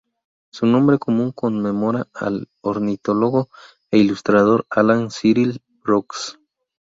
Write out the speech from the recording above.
Su nombre común conmemora al ornitólogo e ilustrador Allan Cyril Brooks.